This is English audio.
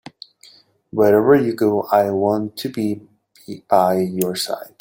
Wherever you go, I want to be by your side.